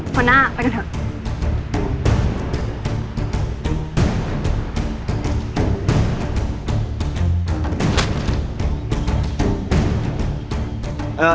พอหน้าไปกันเถอะ